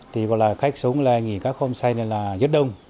thì gọi là khách sống là nghỉ các hôm say này là rất đông